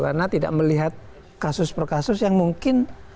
karena tidak melihat kasus per kasus yang mungkin